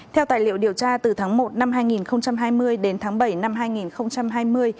theo tài liệu điều tra từ tháng một năm hai nghìn hai mươi đến tháng bảy năm hai nghìn hai mươi